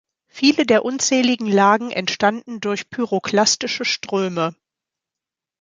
Viele der unzähligen Lagen entstanden durch pyroklastische Ströme.